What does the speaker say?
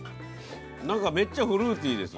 なんかめっちゃフルーティーです。